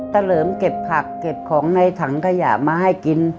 เหลิมเก็บผักเก็บของในถังขยะมาให้กิน